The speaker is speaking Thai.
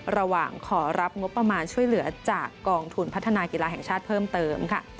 ระหว่างขอรับงบประมาณช่วยเหลือจากกองทุนพัฒนากีฬาแห่งชาติเพิ่มเติมค่ะ